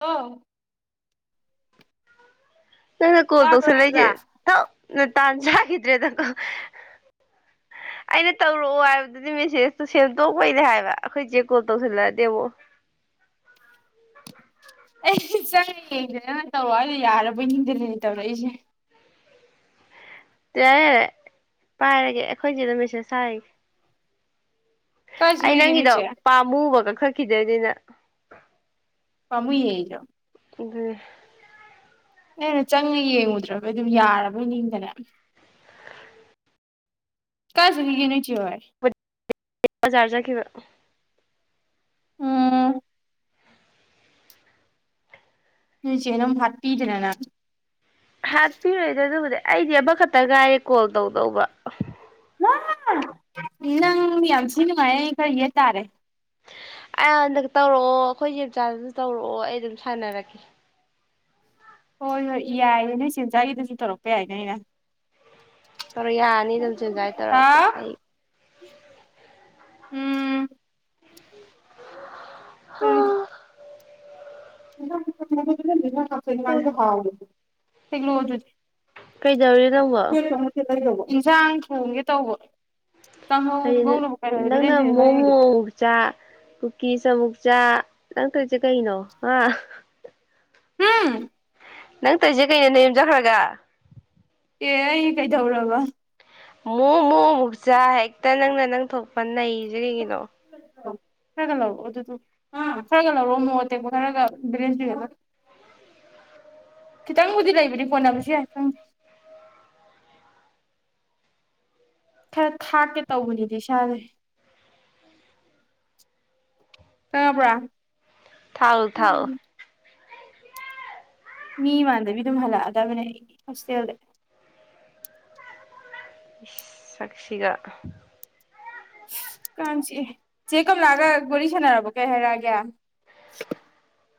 ꯑ ꯅ ꯀꯣꯜ ꯇꯥꯕ꯭ꯔꯣ ꯇꯧꯁ ꯂꯩꯦ ꯁꯤꯜꯚꯤꯌꯥ ꯊ ꯅ ꯇꯥꯟ ꯆꯥꯈꯤꯗ꯭ꯔꯦꯗꯀꯣ ꯑꯩꯅ ꯇꯧꯔꯛꯑꯣ ꯍꯥꯏꯕꯗꯨꯗꯤ ꯃꯦꯁꯦꯁꯇꯨ ꯁꯦꯝꯗꯣꯛꯄꯩꯅꯦ ꯍꯥꯏꯕ ꯑꯩꯈꯣꯏ ꯆꯦ ꯀꯣꯜ ꯇꯧꯁꯤꯜꯂꯛꯑꯗꯦꯕꯣ ꯑꯦ ꯆꯪꯉꯦ ꯌꯦꯁꯤꯗꯅ ꯇꯧꯔꯛꯑꯣꯗꯤ ꯌꯥꯔꯕꯣꯏ ꯅꯤꯡꯗꯅꯅꯦ ꯇꯧꯔꯛꯏꯁꯦ ꯌꯥꯔꯦ ꯄꯥꯏꯔꯒꯦ ꯑꯩꯈꯣꯏꯁ ꯅꯨꯃꯤꯠꯁꯤꯦ ꯁꯔꯤꯒꯦ ꯀꯥꯏ ꯑꯩ ꯆꯨꯒꯤꯒꯦ ꯅꯣꯏ ꯅꯪꯒꯤꯗꯣ ꯆꯦ ꯄꯥꯝꯃꯨꯕ ꯀꯛꯈꯛꯈꯤꯗꯣꯏꯅꯤꯅ ꯄꯃꯨꯦꯔ ꯑꯗꯨ ꯅꯩꯅ ꯆꯪꯉ ꯌꯦꯡꯉꯨꯗ꯭ꯔꯕ ꯑꯗꯨꯝ ꯌꯥꯔꯕꯣꯏ ꯅꯤꯡꯗꯅ ꯀꯥꯁꯨꯈꯤꯒꯦ ꯅꯣꯏꯆꯤ ꯑꯣꯏ ꯕꯖꯥꯔ ꯆꯠꯈꯤꯕ ꯎꯝ ꯎꯝ ꯆꯅꯝ ꯐꯠ ꯄꯤꯗꯅꯅ ꯍꯥꯄꯤꯤ ꯑꯣꯏꯣꯏꯗ ꯑꯗꯨꯕꯨꯗ ꯑꯩꯗꯤ ꯑꯃ ꯈꯛꯇ ꯀꯥꯏꯔꯦ ꯀꯣꯜ ꯇꯧꯗꯧꯕ ꯅꯪ ꯃꯤ ꯌꯥꯝꯁꯤ ꯅꯨꯡꯉꯥꯏ ꯀꯩꯌꯦ ꯇꯥꯔꯦ ꯑꯩ ꯍꯟꯗꯛ ꯇꯧꯔꯛꯑꯣ ꯑꯩꯈꯣꯏ ꯌꯟꯆꯥꯥꯗꯁꯨ ꯇꯧꯔꯛꯑꯣ ꯑꯩ ꯑꯗꯨꯝ ꯁꯥꯟꯅꯔꯛꯀꯦ ꯍꯣꯏ ꯍꯣꯏ ꯌꯥꯏꯌꯦ ꯅꯣꯏ ꯁꯦꯟꯖꯥꯛꯒꯤꯗꯁꯨ ꯇꯧꯔꯛꯄ ꯌꯥꯏꯅꯦ ꯑꯩꯅ ꯇꯧꯔ ꯌꯥꯔꯅꯤꯗ ꯍꯧꯁꯨꯖꯥꯏ ꯇꯧꯔꯛꯄ ꯍꯥꯎ ꯑꯩ ꯎꯝ ꯎꯝ ꯍꯦꯖꯦꯖꯩ [inaudible] ꯐꯃꯗꯤ ꯍꯥꯎꯗꯤ ꯁꯤꯒꯂ ꯍꯗꯗꯤ [unintelligible] ꯀꯩꯗꯧꯔꯤ ꯅꯪꯕꯣ ꯂꯩꯗꯧꯕ ꯏꯟꯁꯥꯡ ꯊꯣꯡꯒꯦ ꯇꯧꯕ ꯀꯥꯡꯍꯧ ꯀꯩꯅꯣ ꯉꯧꯅꯕ ꯀꯩꯗꯧꯔꯤꯕ ꯅꯪꯅ ꯂꯦꯟꯗ꯭ꯔꯤꯁꯦ ꯈꯔ ꯃꯣꯃꯣ ꯍꯦꯛꯒꯦ ꯃꯨꯛ ꯆꯥ ꯀꯨꯀꯤꯆ ꯑꯃꯨꯛ ꯆꯥ ꯅꯪ ꯇꯧꯏꯁꯤ ꯀꯩꯅꯣ ꯍꯥ ꯍꯝ ꯅꯪ ꯇꯧꯁꯦ ꯀꯩꯅꯣ ꯅꯌꯨꯝ ꯆꯠꯈ꯭ꯔꯒ ꯑꯦ ꯑꯩ ꯀꯩꯗꯧꯔꯕ ꯃꯨꯛ ꯃꯨꯛ ꯃꯨꯛꯆꯥꯥ ꯍꯦꯛꯇ ꯅꯪꯅ ꯅꯪ ꯊꯣꯛꯄ ꯅꯩ ꯗ ꯌꯦꯡꯉꯤꯗꯣ ꯈꯔꯒ ꯂꯧꯔꯣꯑꯣ ꯑꯗꯨꯗꯨ ꯍꯥ ꯈꯔꯒ ꯂꯧꯔꯣ ꯃꯣꯔꯣꯛ ꯑꯇꯦꯛꯄ ꯈꯔꯒ ꯕꯦꯂꯦꯟꯗ꯭ꯔꯤꯒ ꯈꯤꯇꯪꯕꯨꯗꯤ ꯂꯩ ꯔꯤ ꯐꯅꯥꯕꯤꯕꯁꯤ ꯍꯥꯏ ꯁꯪ ꯈꯔ ꯊꯥꯛꯀꯦ ꯇꯧꯕꯅꯤꯗ ꯏꯁꯥꯁꯦ ꯇꯥꯔꯕ꯭ꯔ ꯊꯥꯛꯎ ꯊꯥꯛꯎ ꯃꯤ ꯃꯥꯟꯗꯕꯤ ꯑꯗꯨꯝ ꯍꯜꯂꯛꯑꯗꯕꯅꯦ ꯑꯩ ꯍꯣꯁꯇꯦꯜꯗ ꯏꯁ ꯁꯛꯁꯤꯒ ꯀꯥꯡ ꯆꯤꯛꯏ ꯆꯦ ꯀꯝꯂꯥꯒ ꯋꯥꯔꯤ ꯁꯥꯟꯅꯔꯕꯣ ꯀꯩ ꯍꯥꯏꯔꯛꯑꯒꯦ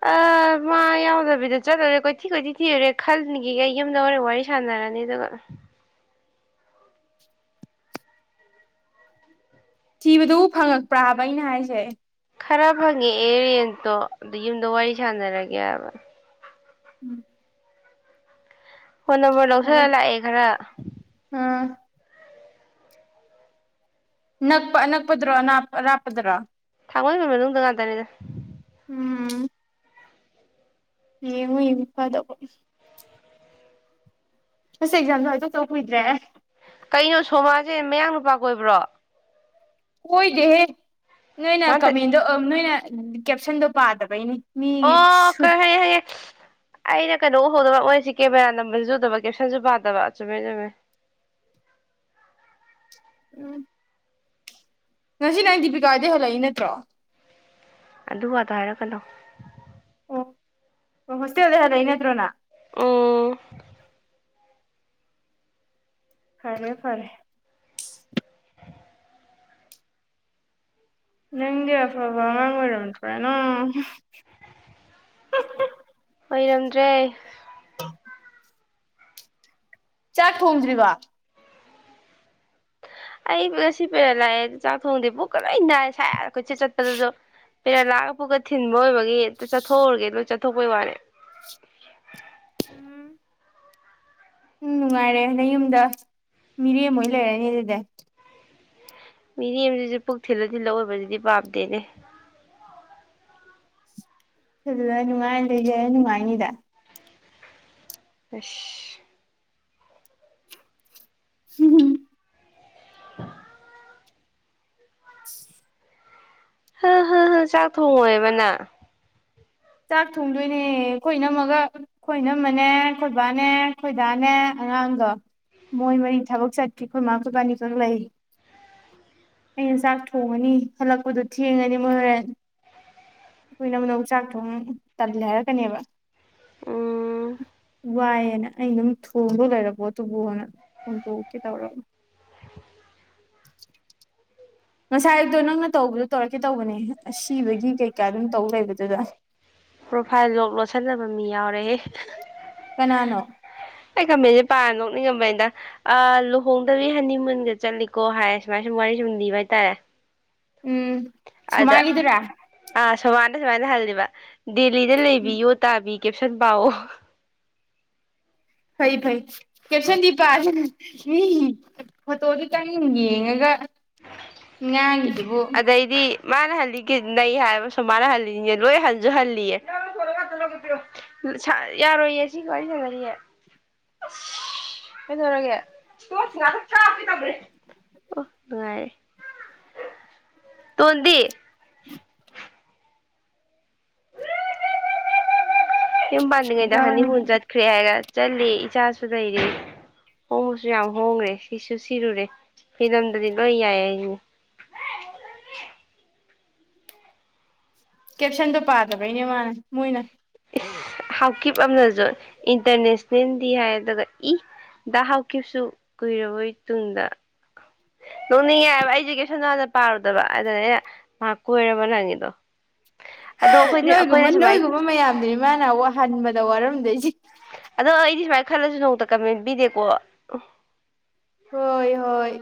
ꯑ ꯃꯥ ꯌꯥꯎꯗꯕꯤꯗ ꯆꯠꯂꯨꯔꯦ ꯀꯣꯏꯊꯤ ꯀꯣꯏꯊꯤ ꯊꯤꯔꯨꯔꯦ ꯈꯜꯅꯤꯈꯤꯒꯩ ꯌꯨꯝꯗ ꯍꯣꯔꯦꯟ ꯋꯥꯔꯤ ꯁꯥꯟꯅꯔꯅꯤ ꯑꯗꯨꯒ ꯊꯤꯕꯗꯨꯕꯨ ꯐꯪꯉꯛꯄ꯭ꯔꯥ ꯍꯥꯏꯕ ꯑꯩꯅ ꯍꯥꯏꯁꯦ ꯈꯔ ꯐꯪꯉꯛꯑꯦ ꯔꯦꯟꯇꯣ ꯑꯗꯨ ꯌꯨꯝꯗ ꯋꯥꯔꯤ ꯁꯥꯟꯅꯔꯒꯦꯕ ꯎꯝ ꯐꯣꯟ ꯅꯝꯕꯔ ꯐꯔꯦ ꯂꯧꯁꯜꯂ ꯂꯥꯛꯑꯦ ꯈꯔ ꯑꯥ ꯅꯛꯄ ꯑꯅꯛꯄꯗ꯭ꯔꯣ ꯑꯅꯥꯞ ꯑꯔꯥꯞꯄꯗ꯭ꯔꯣ ꯊꯥꯡꯃꯩꯕꯟ ꯃꯅꯨꯡꯗ ꯉꯥꯛꯇꯅꯤꯗ ꯎꯝ ꯌꯦꯡꯉꯨ ꯌꯦꯡꯉꯨ ꯐꯗꯧꯕ ꯑꯍꯝ ꯑꯁ ꯑꯦꯛꯖꯥꯝꯗꯣ ꯍꯥꯏꯗꯣꯛꯇꯕ ꯀꯨꯏꯗ꯭ꯔꯦꯍꯦ ꯀꯩꯅꯣ ꯁꯣꯃꯥꯖꯦ ꯃꯌꯥꯡ ꯅꯨꯄꯥ ꯀꯣꯏꯕ꯭ꯔꯣ ꯀꯣꯏꯗꯦꯍꯦ ꯅꯣꯏꯅ ꯃꯥꯇ ꯀꯃꯦꯟꯗꯣ ꯑꯝ ꯅꯣꯏꯅ ꯀꯦꯞꯁꯟꯗꯣ ꯄꯥꯗꯕꯩꯅꯦ ꯑꯣ ꯀ ꯈꯪꯉꯦ ꯈꯪꯉꯦ ꯈꯪꯉꯦ ꯑꯩꯅ ꯀꯩꯅꯣ ꯎꯍꯧꯗꯕ ꯃꯣꯏꯁꯤ ꯀꯦꯃꯦꯔꯥ ꯅꯝꯕꯗꯨꯁꯨ ꯎꯗꯕ ꯀꯦꯞꯁꯟꯁꯨ ꯄꯥꯗꯕ ꯆꯨꯝꯃꯦ ꯆꯨꯝꯃꯦ ꯎꯝ ꯉꯁꯤ ꯅꯪ ꯗꯤꯄꯤꯀꯥꯍꯣꯏꯗꯩ ꯍꯜꯂꯛꯏ ꯅꯠꯇ꯭ꯔꯣ ꯑꯗꯨꯗ ꯍꯥꯏꯔꯛꯀꯅꯣ ꯑꯣ ꯍꯣꯁꯇꯦꯜꯗꯩ ꯍꯜꯂꯛꯏ ꯅꯠꯇ꯭ꯔꯣ ꯅ ꯎꯝ ꯐꯔꯦ ꯐꯔꯦ ꯅꯪꯗꯤ ꯑꯐꯕ ꯑꯉꯥꯡ ꯑꯣꯏꯔꯝꯗ꯭ꯔꯦꯅ ꯑꯣꯏꯔꯝꯗ꯭ꯔꯦ ꯆꯥꯛ ꯊꯣꯡꯗ꯭ꯔꯤꯕꯥ ꯑꯩ ꯉꯁꯤ ꯄꯦꯔꯠ ꯂꯥꯛ ꯑꯦ ꯆꯥꯛ ꯊꯣꯡꯗꯦ ꯄꯨꯛꯀ ꯂꯣꯏ ꯅꯥꯏ꯫ ꯁ ꯀꯣꯏꯆꯠ ꯆꯠꯄꯗ ꯖꯨ ꯄꯦꯔꯠꯂꯥꯛꯑꯒ ꯄꯨꯛꯀ ꯊꯤꯟꯕ ꯑꯣꯏꯕꯒꯤ ꯑꯝꯇ ꯆꯠꯊꯣꯛꯎꯔꯒꯦ ꯑꯗꯨ ꯆꯠꯊꯣꯛꯄꯩ ꯋꯥꯅꯦ꯫ ꯎꯝ ꯅꯨꯡꯉꯥꯏꯔꯦ ꯅꯌꯨꯝꯗ ꯃꯤꯔꯦꯝ ꯑꯣꯏꯔꯥ ꯂꯩꯔꯅꯤ ꯑꯗꯨꯗꯤ꯫ ꯃꯤꯔꯦꯝꯁꯤꯁꯨ ꯄꯨꯛ ꯊꯤꯜꯂ- ꯊꯤꯜꯂ ꯑꯣꯏꯕꯁꯤꯗꯤ ꯄꯥꯝꯗꯦꯅꯦ꯫ [unintelligible] ꯅꯨꯡꯉꯥꯏ ꯅꯥ ꯂꯩꯒꯦ ꯅꯨꯉꯥꯏꯅꯤꯗ ꯑꯁ! ꯍꯝ [unintelligible] ꯍ ꯍ ꯍ ꯆꯥꯛ ꯊꯣꯡꯉꯣꯏꯕ ꯅꯪ ꯆꯥꯛ ꯊꯣꯡꯗꯣꯏꯅꯦ ꯑꯩꯈꯣꯏ ꯏꯅꯝꯃꯒ ꯈꯣꯏ ꯏꯅꯝꯃꯅꯦ ꯈꯣꯏꯕꯥꯅꯦ ꯈꯣꯏꯗꯥꯅꯦ ꯑꯉꯥꯡꯒ ꯃꯣꯏ ꯃꯔꯤ ꯊꯕꯛ ꯆꯠꯈꯤ ꯈꯣꯏꯃꯥ ꯈꯣꯏꯕꯥꯅꯤꯈꯛ ꯂꯩ ꯑꯩꯅ ꯆꯥꯛ ꯊꯣꯡꯉꯅꯤ ꯍꯜꯂꯛꯄꯗꯣ ꯊꯦꯡꯉꯅꯤ ꯃꯣꯏ ꯍꯣꯔꯦꯟ ꯑꯩꯈꯣꯏ ꯢꯅꯝꯃꯅ ꯑꯃꯣꯛ ꯆꯥꯛ ꯁꯨꯝ ꯇꯜꯂꯦ ꯍꯥꯏꯔꯛꯀꯅꯦꯕ ꯎꯝ ꯋꯥꯏꯌꯦꯅ ꯑꯩ ꯑꯗꯨꯝ ꯊꯣꯡꯕ ꯂꯩꯔ ꯄꯣꯠꯇꯨꯕꯨꯅ ꯊꯣꯡꯗꯣꯛꯀꯦ ꯇꯧꯔꯕ꯫ ꯉꯁꯥꯏ ꯑꯌꯨꯛꯇꯣ ꯅꯪꯅ ꯇꯧꯕꯗꯣ ꯇꯧꯔꯛꯀꯦ ꯇꯧꯕꯅꯦ ꯑꯁꯤꯕꯒꯤ ꯀꯩꯀꯥ ꯑꯗꯨꯝ ꯇꯧ ꯂꯩꯕꯗꯨꯗ ꯄ꯭ꯔꯣꯐꯥꯏꯜ ꯂꯣꯛ ꯂꯣꯠꯁꯤꯟꯅꯕ ꯃꯤ ꯌꯥꯎꯔꯦꯍꯦ ꯀꯅꯥꯅꯣ? ꯑꯩ ꯀꯃꯦꯟꯁꯦ ꯄꯥꯔ ꯅꯣꯛꯅꯤꯡꯉꯝꯕꯅꯤꯗ ꯑ ꯂꯨꯍꯣꯡꯗꯕꯤ ꯍꯅꯤ ꯃꯨꯟꯒ ꯆꯠꯂꯤꯀꯣ ꯍꯥꯏꯔ ꯁꯨꯃꯥꯏ ꯁꯨꯝ ꯋꯥꯔꯤ ꯁꯨꯝ ꯂꯤꯕ ꯍꯥꯏꯇꯥꯔꯦ ꯎꯝ ꯑꯗ ꯁꯣꯃꯥꯒꯤꯗꯨꯔꯥ ꯑ ꯁꯣꯃꯥ ꯃꯥꯏꯅ ꯍꯜꯂꯤꯕ ꯗꯦꯜꯂꯤꯗ ꯎꯝ ꯂꯩꯕꯤ ꯌꯣ ꯇꯥꯕꯤ ꯀꯦꯞꯁꯟ ꯄꯥ ꯑꯣ ꯐꯩ - ꯐꯩ ꯀꯦꯞꯁꯟꯗꯤ ꯄꯥꯗꯥꯅ ꯃꯤꯒꯤ ꯐꯣꯇꯣꯗꯨꯇꯪ ꯌꯦꯡꯉꯒ ꯉꯥꯡ ꯏꯖꯤꯕꯨ ꯑꯗꯩꯗꯤ ꯃꯥꯅ ꯍꯜꯂꯤꯒꯦ ꯅꯩ ꯍꯥꯏꯁꯨ ꯃꯥꯅ ꯍꯜꯂꯤꯖꯦ ꯂꯣꯏ ꯍꯟꯁꯨ ꯍꯜꯂꯤꯌꯦ ꯌꯥꯔꯣꯏꯌꯦ ꯁꯤ ꯋꯥꯔꯤ ꯁꯅꯔꯤꯌꯦ ꯑ ꯀꯩꯗꯧꯔꯒꯦ [unintelligible] [unintelligible] ꯅꯨꯡꯉꯥꯏ ꯇꯣꯟꯗꯤ? ꯌꯨꯝ ꯄꯥꯟꯗ꯭ꯔꯤꯉꯩꯗꯥ ꯍꯥꯅꯤꯃꯨꯟ ꯆꯠꯈꯔꯦ ꯍꯥꯏꯔ ꯆꯠꯂꯦ ꯏꯆꯥꯁꯨ ꯂꯩꯔꯦ ꯍꯣꯡꯕꯁꯨ ꯌꯥꯝ ꯍꯣꯡꯉ꯭ꯔꯦ ꯁꯤꯁꯨ ꯁꯤꯔꯨꯔꯦ ꯐꯤꯗꯝꯗꯗꯤ ꯂꯣꯏ ꯌꯥꯏ ꯍꯥꯏꯖꯤꯅꯤ꯫ ꯀꯦꯞꯁꯟꯗꯣ ꯄꯥꯗꯕꯩꯅꯦ ꯃꯥꯅ ꯃꯣꯏꯅ꯫ ꯍꯥꯎꯀꯤꯞ ꯑꯅꯁꯨ ꯏꯟꯇꯔꯅꯦꯁꯅꯦꯜꯗꯤ ꯍꯥꯏꯒ ꯏ ꯗ ꯍꯥꯎꯀꯤꯞꯁꯨ ꯀꯨꯏꯔꯕꯣꯏ ꯇꯨꯡꯗ ꯅꯣꯛꯅꯤꯡꯉꯦ ꯍꯥꯏꯕ ꯑꯩꯁꯦ ꯀꯩꯁꯟꯗꯣ ꯍꯟꯅꯥ ꯄꯥꯔꯨꯗꯕ ꯑꯗꯅꯦ ꯑꯩꯅꯥ ꯃꯥ ꯀꯣꯏꯔꯕ ꯅ ꯍꯡꯉꯤꯗꯣ꯫ ꯅꯣꯏꯒꯨꯝꯕ ꯅꯣꯏꯒꯨꯝꯕ ꯃꯌꯥꯝꯗꯨꯅꯤ ꯃꯥꯅ ꯍꯟꯕꯗ ꯋꯥꯔꯝꯗꯣꯏꯁꯦ꯫ ꯑꯗꯣ ꯑꯩꯗꯤ ꯁꯨꯃꯥꯏꯅ ꯈꯜꯂꯁꯨ ꯅꯣꯡꯃꯇ ꯀꯃꯦꯟ ꯄꯤꯗꯦꯀꯣ꯫ ꯍꯣꯏ ꯍꯣꯏ꯫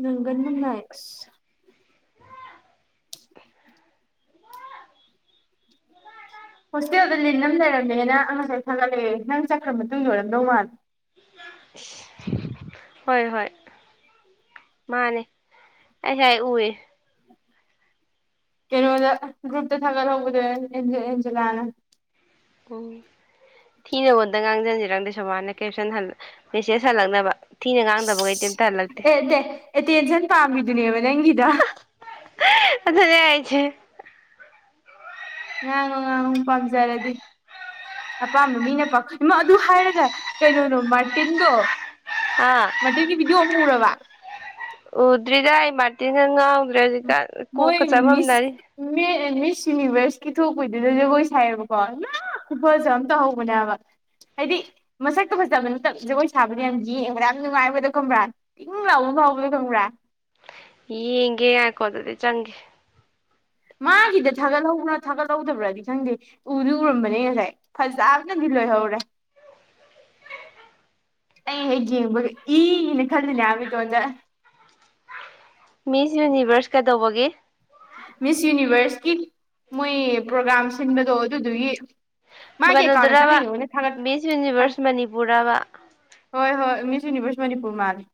ꯅꯪꯒꯟ ꯗꯨꯝ ꯅꯥꯥꯏ ꯑꯁ ꯍꯣꯁꯇꯦꯜꯗ ꯂꯤꯟ ꯑꯃ ꯂꯩꯔꯝꯃꯦꯅ ꯉꯁꯥꯏ ꯊꯥꯒꯠꯂꯦ ꯅꯪ ꯆꯠꯈ꯭ꯔ ꯃꯇꯨꯡ ꯑꯣꯏꯔꯝꯗꯧ ꯃꯥꯜꯂꯦ꯫ ꯍꯣꯏ ꯍꯣꯏ ꯃꯥꯅꯦ ꯑꯩꯁ ꯎꯏ ꯀꯩꯅꯣꯗ ꯒ꯭ꯔꯨꯞꯇ ꯊꯥꯒꯠꯍꯧꯕꯗ ꯑꯦꯟꯖꯂꯥꯅ ꯑꯣ ꯊꯤꯅꯉꯣꯟꯗ ꯉꯥꯡꯁꯤꯟꯁꯤꯦꯔꯪꯗꯦ ꯁꯣꯕꯥꯅ ꯀꯦꯞꯁꯟ ꯃꯦꯁꯦꯖ ꯍꯜꯂꯛꯅꯕ ꯊꯤꯅ ꯉꯥꯡꯗꯕ ꯀꯩꯇ ꯑꯝꯇ ꯍꯜꯂꯛꯇꯦ ꯑꯦ ꯅꯠꯇꯦ ꯑꯦꯇꯦꯟꯁꯟ ꯄꯥꯝꯃꯤꯗꯨꯅꯦꯕ ꯅꯪꯒꯤꯗ ꯑꯗꯨꯅꯦ ꯍꯥꯌꯖꯦ ꯉꯥꯡꯉꯨ ꯉꯥꯡꯉꯨ ꯄꯥꯝꯖꯔꯗꯤ ꯑꯄꯥꯝꯕ ꯃꯤꯅ ꯄꯥꯈ ꯏꯃ ꯑꯗꯨ ꯍꯥꯏꯔꯒ ꯀꯩꯅꯣꯅꯣ ꯃꯥꯔꯇꯤꯟꯗꯣ ꯑꯥ ꯃꯒꯤ ꯚꯤꯗꯤꯑꯣ ꯑꯃ ꯎꯔꯕ ꯎꯗ꯭ꯔꯗ ꯑꯩ ꯃꯥꯇꯅ ꯅꯪ ꯖꯤꯇ ꯃꯣꯏ ꯀꯣꯛꯀ ꯃꯤꯁ ꯆꯃꯝꯅꯔꯤ ꯃꯤꯁ ꯌꯨꯅꯤꯚꯔꯁꯀꯤ ꯊꯣꯛꯄꯗꯨꯗ ꯖꯒꯣꯏ ꯁꯥꯏꯌꯦꯕꯀꯣ ꯂ ꯈꯨꯐꯁꯨ ꯑꯃ ꯇꯧꯍꯧꯕꯅꯦꯕ ꯍꯥꯏꯗꯤ ꯃꯁꯛꯇ ꯐꯖꯕ ꯅꯠꯇꯕ ꯖꯒꯣꯏ ꯁꯥꯕꯗ ꯌꯥꯝ ꯌꯦꯡꯕꯗ ꯌꯥꯝ ꯅꯨꯡꯉꯥꯏꯕꯗ ꯈꯪꯕ꯭ꯔꯥ ꯏꯪ ꯂꯥꯎꯕ ꯐꯥꯎꯕꯗꯣ ꯈꯪꯕ꯭ꯔꯥ ꯌꯦꯒꯦ ꯍꯥꯏꯀꯣꯗꯗꯤ ꯆꯪꯒꯦ ꯃꯥꯒꯤꯗ ꯊꯥꯒꯠꯍꯧ ꯊꯥꯒꯠꯍꯧꯗꯕ꯭ꯔꯗꯤ ꯈꯪꯗꯦ ꯎꯗꯤ ꯎꯔꯝꯕꯅꯦ ꯉꯁꯥꯏ ꯐꯖꯕꯅꯗꯤ ꯂꯣꯏꯍꯧꯔꯦ ꯑꯩ ꯍꯦꯛ ꯌꯦꯡꯕꯒ ꯏꯅ ꯈꯜꯂꯤꯅꯦ ꯍꯥꯏꯕꯇꯣꯟꯗ ꯃꯤꯁ ꯌꯨꯅꯤꯚꯔꯁ ꯀꯩꯗꯧꯕꯒꯤ ꯃꯤꯁ ꯌꯨꯅꯤꯚꯔꯁꯀꯤ ꯃꯣꯏ ꯄ꯭ꯔꯣꯒꯥ꯭ꯔꯥꯝ ꯁꯤꯟꯕꯗꯣ ꯑꯗꯨꯗꯨꯒꯤ ꯃꯥꯒꯤ ꯑꯦꯀꯥꯎꯟꯗ ꯀꯩꯅꯣꯗꯨꯔꯕ ꯆꯪꯉ ꯌꯦꯡꯉꯨꯅꯦ ꯊꯥꯒꯠ ꯕꯤꯁ ꯌꯨꯅꯤꯚꯔꯁ ꯃꯅꯤꯄꯨꯔꯔꯕ ꯍꯣꯏ ꯍꯣꯏ ꯃꯤꯁ ꯌꯨꯅꯤꯚꯔꯁ ꯃꯅꯤꯄꯨꯔ ꯃꯥꯜꯂꯤꯦ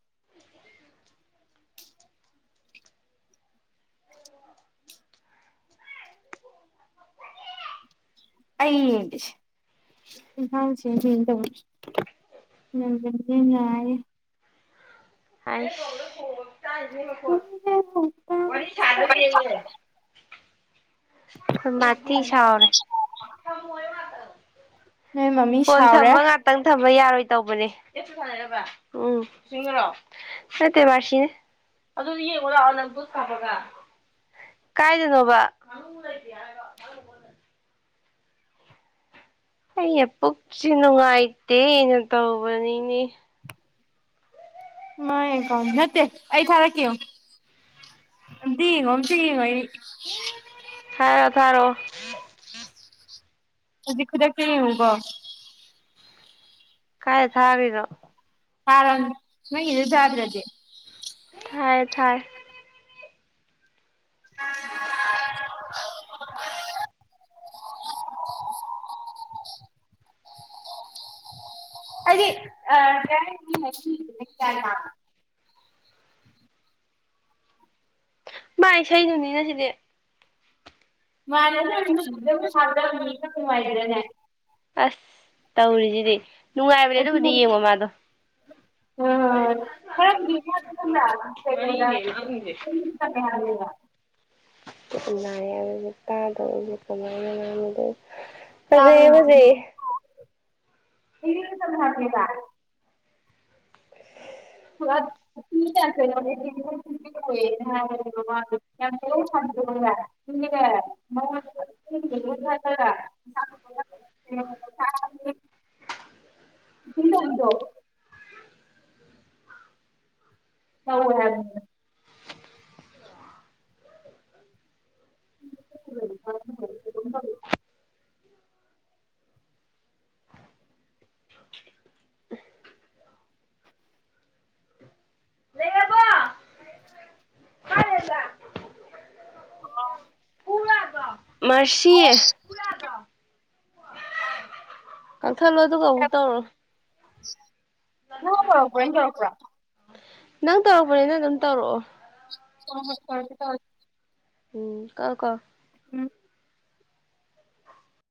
ꯑꯁꯦ ꯇ ꯌꯥꯑꯦ [unintelligible] [inaudible] ꯍꯥꯏ ꯀꯥꯏ ꯍ ꯅꯀꯣꯠ ꯆꯥꯗꯔꯤ ꯌꯑꯦ ꯑꯩꯈꯣꯏ ꯃꯥꯊ ꯁꯣꯏꯔꯦ ꯅꯣꯏ ꯃꯃꯤ ꯐꯣꯟ ꯁꯥꯎꯔꯦ ꯊꯝꯃ ꯉꯥꯛꯇꯪ ꯊꯝꯃ ꯌꯥꯔꯣꯏ ꯇꯧꯕꯅꯦ ꯎꯝ ꯅꯠꯇꯦ ꯃꯥꯔꯁꯤꯅꯦ ꯀꯥꯏꯗꯅꯣꯕ [unintelligible] ꯑꯩ ꯄꯨꯛꯁꯤ ꯅꯨꯡꯉꯥꯏꯇꯦꯩꯅ ꯇꯧꯕꯅꯤꯅꯦ ꯃꯥꯏ ꯀ ꯅꯠꯇꯦ ꯑꯩ ꯊꯥꯔꯛꯀꯦ ꯌꯦꯡꯉꯣ ꯃꯇꯥ ꯌꯦꯡꯉꯣ [inaudible] ꯍꯥꯏꯔꯣ ꯊꯥꯔꯣ ꯍꯧꯖꯤ ꯈꯨꯗꯀꯤ ꯍꯧꯎꯕ ꯀꯥꯏ ꯊꯥꯗꯣ ꯑꯔꯝ ꯅꯪꯖꯥꯗ꯭ꯔꯗꯤ ꯊꯥꯏ ꯊꯥꯏ [inaudible] ꯑ ꯑ ꯃꯥꯚꯥꯏ ꯏꯁꯩꯩꯅꯅꯤꯅ ꯁꯤꯗꯤ ꯃꯅꯗꯗ ꯁꯗ ꯃꯥꯏꯗꯅꯦ [unintelligible] ꯑꯁ ꯇꯧꯔꯤꯁꯤꯗꯤ ꯅꯨꯡꯉꯥꯏꯕ ꯂꯩꯦꯗꯕꯨꯗꯤ ꯌꯦꯡꯉꯣ ꯃꯥꯗꯣ ꯎ ꯍꯥꯏꯗ [inaudible] ꯔꯦ ꯇꯗ ꯀꯃꯗ ꯐꯖꯩ ꯐꯖꯩꯌꯦ ꯑꯩꯒꯤ [unintelligible] [unintelligible] [unintelligible] [inaudible] ꯑ ꯃꯔꯁꯤ ꯊꯂꯣ ꯑꯗꯨꯒ ꯑꯗꯨꯝ ꯇꯧꯔ ꯍ ꯍꯠꯇ꯭ꯔ ꯅꯪ ꯇꯧꯔꯛꯄꯅꯤ ꯅꯪ ꯑꯗꯨꯝ ꯇꯧꯔꯛꯑꯣ ꯍꯁꯔ ꯇ ꯎꯝ ꯀ ꯀꯣ ꯎꯝ